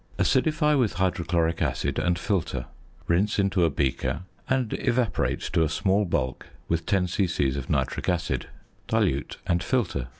Acidify with hydrochloric acid and filter. Rinse into a beaker, and evaporate to a small bulk with 10 c.c. of nitric acid. Dilute and filter.